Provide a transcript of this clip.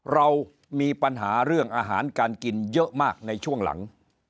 เรามีปัญหาเรื่องอาหารการกินเยอะมากในช่วงหลัง